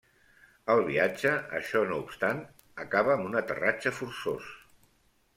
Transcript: El viatge, això no obstant, acaba amb un aterratge forçós.